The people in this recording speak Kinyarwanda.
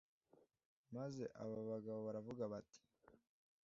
Maze aba bagabo baravuga bati